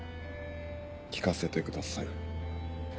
聞かせてください。